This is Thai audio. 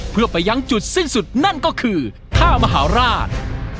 เพื่อไปยังจุดสิ้นสุดนั่นก็คือท่ามหาราช